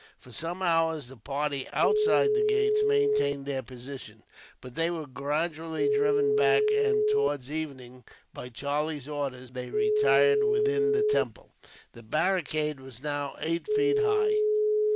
For some hours, the party outside the gates maintained their position, but they were gradually driven back; and towards evening, by Charlie's orders, they retired within the temple. The barricade was now eight feet high.